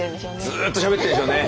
ずっとしゃべってるんでしょうね。